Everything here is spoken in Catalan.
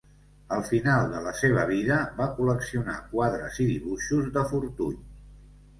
Al final de la seva vida va col·leccionar quadres i dibuixos de Fortuny.